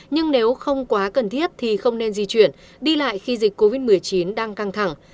nhưng nếu không quá cần thiết thì không nên di chuyển đi lại khi dịch covid một mươi chín đang căng thẳng